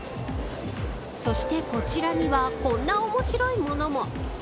そして、こちらにはこんな面白いものも。